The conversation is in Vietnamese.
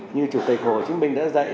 như chủ tịch hồ chí minh đã dạy